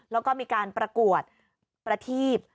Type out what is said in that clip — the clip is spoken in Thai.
แล้วก็มีการประกวดประทีบ